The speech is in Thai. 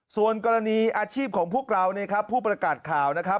ส่วนกรณีอาชีพของพวกเราเนี่ยครับผู้ประกาศข่าวนะครับ